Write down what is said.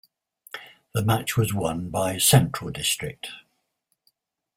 The match was won by Central District.